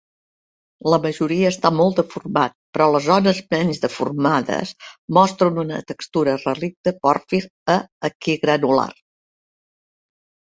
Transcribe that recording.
La majoria està molt deformat, però les zones menys deformades mostren una textura relicte pòrfir a equigranular.